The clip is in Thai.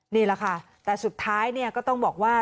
นี่แหละค่ะแต่สุดท้ายเนี่ยก็ต้องบอกว่า